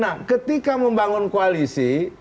nah ketika membangun koalisi